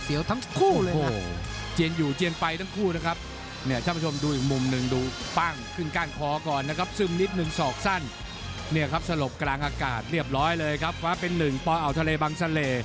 เพราะดูการออกวิธีมันหว่างเสียวทั้งคู่เลยนะ